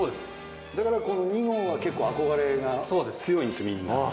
だからこの２号は結構憧れが強いんですみんな。